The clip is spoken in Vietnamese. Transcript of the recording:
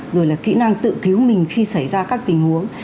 rồi là kỹ năng tự cứu mình khi xảy ra các tình huống